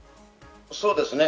そうですね。